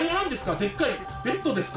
でっかいベッドですか？